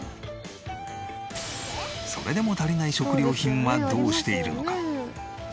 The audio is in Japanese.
それでも足りない食料品はどうしているのか？